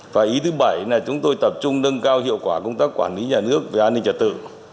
và ý thứ bảy là chúng tôi tập trung nâng cao hiệu quả công tác quản lý nhà nước về an ninh trật tự